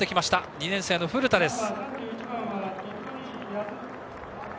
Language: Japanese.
２年生の古田です。